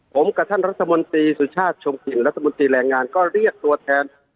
ผมกับท่านรัฐมนตรีสุชาติชมกลิ่นรัฐมนตรีแรงงานก็เรียกตัวแทน